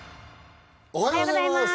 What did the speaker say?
おはようございます